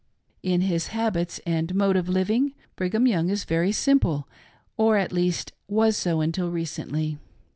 In his habits and mode of living, Brigham Voung is very simple, or at least was so until recently.